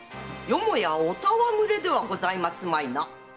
よもやお戯れではございますまいな？